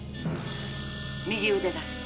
右腕出して。